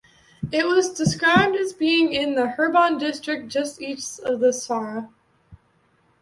It was described as being in the Hebron district, just east of Sar'a.